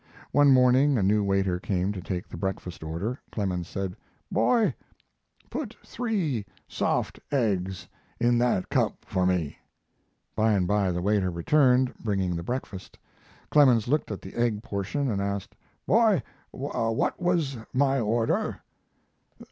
One morning a new waiter came to take the breakfast order. Clemens said: "Boy, put three soft eggs in that cup for me." By and by the waiter returned, bringing the breakfast. Clemens looked at the egg portion and asked: "Boy, what was my order?"